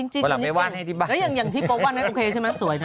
จริงอย่างที่โป๊บวาดมันโอเคใช่ไหม